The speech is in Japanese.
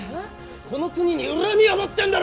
この国に恨みを持ってんだろ？